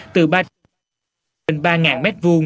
từ ba m hai